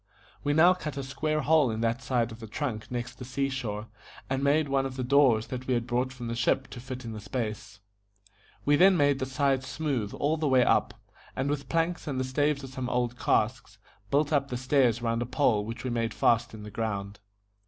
We now cut a square hole in that side of the trunk next the sea shore, and made one of the doors that we had brought from the ship to fit in the space. We then made the sides smooth all the way up, and with planks and the staves of some old casks, built up the stairs round a pole which we made fast in the ground.